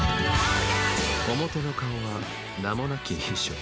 表の顔は名もなき秘書